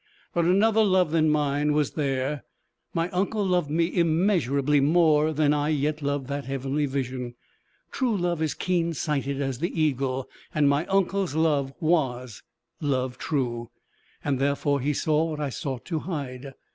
But another love than mine was there: my uncle loved me immeasurably more than I yet loved that heavenly vision. True love is keen sighted as the eagle, and my uncle's love was love true, therefore he saw what I sought to hide.